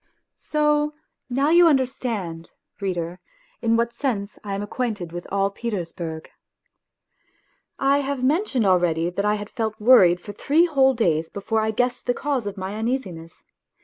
So now you understand, reader, in what sense I am acquainted with all Petersburg. I have mentioned already that I had felt worried for three whole days before I guessed the cause of my uneasiness.